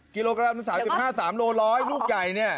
กิโลกรัมสามสิบห้าสามโลร้อยลูกใหญ่เนี่ย